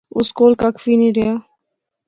اس کول ککھ وی نی رہیا